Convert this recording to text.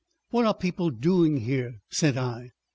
"What are people doing here?" said I.